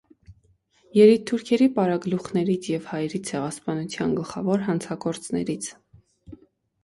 Երիտթուրքերի պարագլուխներից և հայերի ցեղասպանության գլխավոր հանցագործներից։